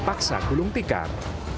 terpaksa gulung tikar